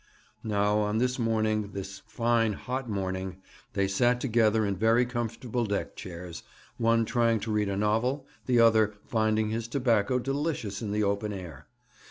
Now, on this morning this fine hot morning they sat together in very comfortable deck chairs, one trying to read a novel, the other finding his tobacco delicious in the open air.